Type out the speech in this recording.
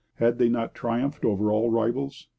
Had they not triumphed over all rivals?